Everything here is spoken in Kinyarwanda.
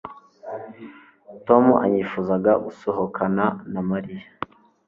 Tom ntiyifuzaga gusohokana na Mariya